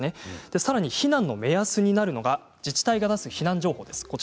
さらに避難の目安になるのが自治体が出す避難情報です。